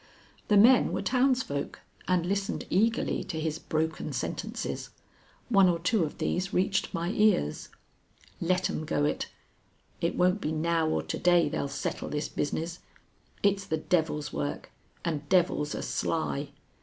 The men were townsfolk and listened eagerly to his broken sentences. One or two of these reached my ears. "Let 'em go it. It won't be now or to day they'll settle this business. It's the devil's work, and devils are sly.